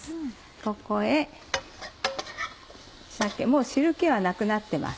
ここへ鮭もう汁気はなくなってます。